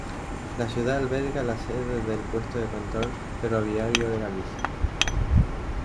La ciudad alberga la sede del puesto de control ferroviario de Galicia.